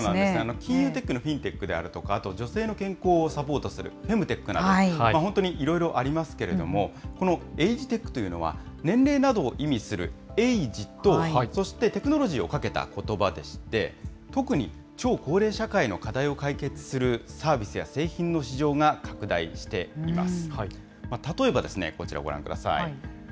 金融テックのフィンテックであるとか、女性の健康問題をサポートするフェムテックなど、本当にいろいろありますけれども、このエイジテックというのは、年齢などを意味するエイジとそしてテクノロジーをことばでして、特に超高齢社会の課題を解決するサービスや製品の製品の市場が拡大しています。